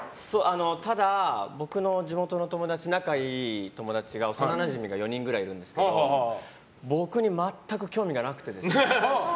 ただ、僕の地元の仲のいい友達が幼なじみが４人くらいいるんですけど僕に全く興味がなくてですね。